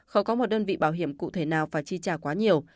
không có một đơn vị bảo hiểm cụ thể nào phải tri trả quá nhiều